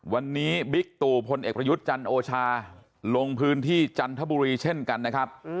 วันนี้บิ๊กตู่พลเอกประยุทธ์จันโอชาลงพื้นที่จันทบุรีเช่นกันนะครับ